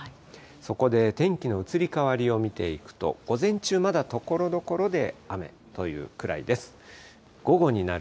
そこで天気の移り変わりを見ていくと、午前中、まだところどころで雨というくらいです。